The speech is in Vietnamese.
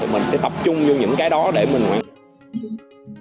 mình sẽ tập trung vô những cái đó để mình hoàn toàn